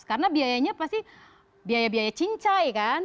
karena biayanya pasti biaya biaya cincai kan